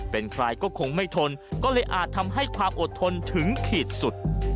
เป็นใครก็คงไม่ทนก็เลยอาจทำให้ความอดทนถึงขีดสุด